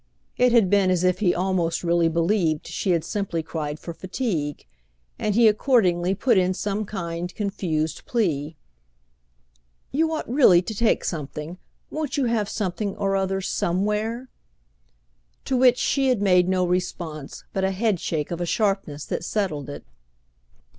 It had been as if he almost really believed she had simply cried for fatigue, and he accordingly put in some kind confused plea—"You ought really to take something: won't you have something or other somewhere?" to which she had made no response but a headshake of a sharpness that settled it.